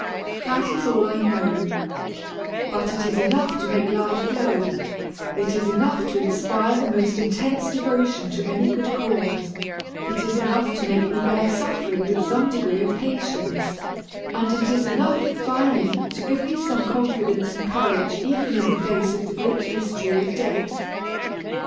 That is all I know, but it is enough to make life glow; it is enough to inspire the most intense devotion to any good cause; it is enough to make me bear suffering with some degree of patience; and it is enough, finally, to give me some confidence and courage even in the face of the great mystery of death.